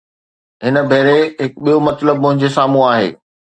هن ڀيري هڪ ٻيو مطلب منهنجي سامهون آهي.